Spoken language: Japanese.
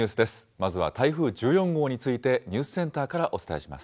まずは台風１４号について、ニュースセンターからお伝えします。